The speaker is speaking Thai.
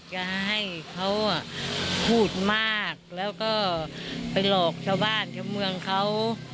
จะให้เขาพูดมากแล้วก็ไปหลอกชาวบ้านชาวเมืองเขา